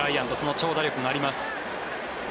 長打力があります。